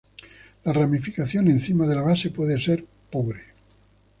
La ramificación encima de la base puede ser pobre.